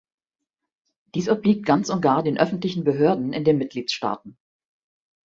Dies obliegt ganz und gar den öffentlichen Behörden in den Mitgliedstaaten.